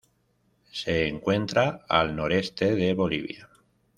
Se encuentra al noreste de Bolivia.